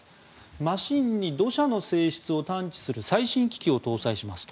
マシンに土砂の性質を探知する最新機器を搭載すると。